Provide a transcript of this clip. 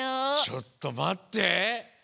ちょっとまって！